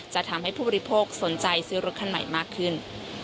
จะทำให้ผู้บริโภคสนใจซื้อรถคันใหม่มากขึ้น